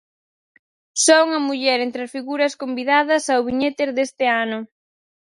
Só unha muller entre as figuras convidadas ao Viñetas deste ano.